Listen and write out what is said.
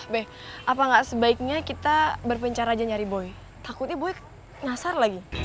be apa gak sebaiknya kita berpencar aja nyari boy takutnya boy ngasar lagi